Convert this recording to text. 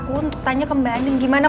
kan yerempah ya